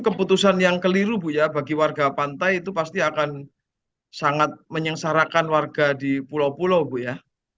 keputusan yang keliru bu ya bagi warga pantai itu pasti akan sangat menyengsarakan warga di pulau pulau bu ya